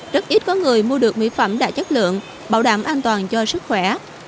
rất ít có người mua được mỹ phẩm đã chất lượng bảo đảm an toàn cho sức khỏe